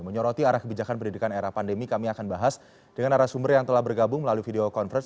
menyoroti arah kebijakan pendidikan era pandemi kami akan bahas dengan arah sumber yang telah bergabung melalui video conference